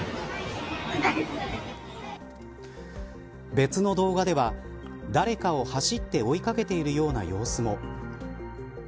別の動画では誰かを走って追いかけているような様子も。